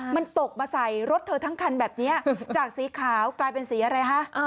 มันตกมาใส่รถเธอทั้งคันแบบนี้จากสีขาวกลายเป็นสีอะไรฮะ